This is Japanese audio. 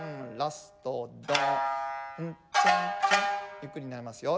ゆっくりになりますよ。